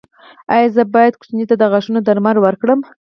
ایا زه باید ماشوم ته د غاښونو درمل ورکړم؟